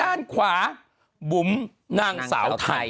ด้านขวาบุ๋มนางสาวไทย